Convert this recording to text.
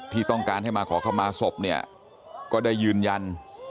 ที่ต้องการให้มาขอเข้ามาศพเนี่ยก็ได้ยืนยัน